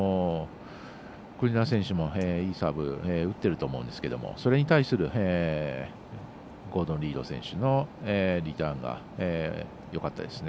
国枝選手もいいサーブ打ってると思うんですけどそれに対するゴードン・リード選手のリターンがよかったですね。